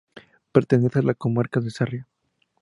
Pertenece a la Comarca de Sarria.